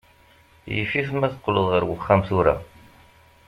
Yif-it ma teqqleḍ ar wexxam tura.